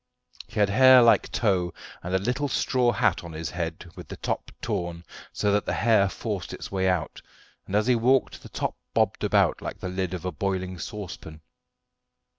He had hair like tow, and a little straw hat on his head with the top torn, so that the hair forced its way out, and as he walked the top bobbed about like the lid of a boiling saucepan.